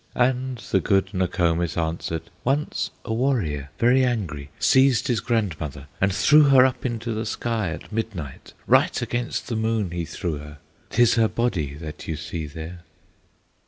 And the good Nokomis answered: "Once a warrior, very angry, Seized his grandmother, and threw her Up into the sky at midnight; Right against the moon he threw her; 'T is her body that you see there."